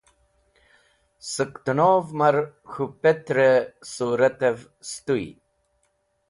Sẽk tẽnov mar k̃hũ petrẽ suratvẽ sẽtũy.